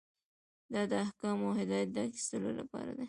دا د احکامو او هدایت د اخیستلو لپاره دی.